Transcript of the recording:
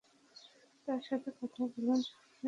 তার সাথে কথা বলার জন্য।